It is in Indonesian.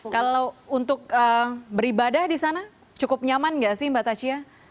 kalau untuk beribadah di sana cukup nyaman nggak sih mbak tachia